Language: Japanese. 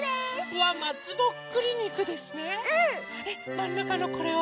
まんなかのこれは？